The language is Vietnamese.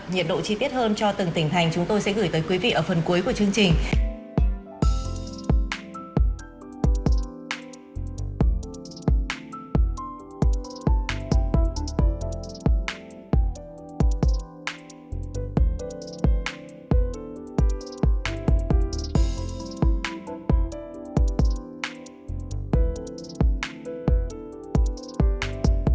nhiệt độ chi tiết hơn cho từng tỉnh thành chúng tôi sẽ gửi tới quý vị ở phần cuối của chương trình